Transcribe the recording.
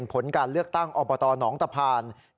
ยังไม่สามารถตอบได้ว่าอยู่ในพื้นที่หรือไม่